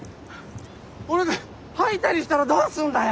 俺が吐いたりしたらどうすんだよ。